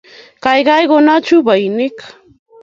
Kaikai kona chupainik